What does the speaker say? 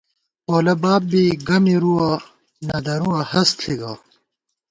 پولہ باب بی گہ مِرُوَہ، نہ درُوَہ ہست ݪی گہ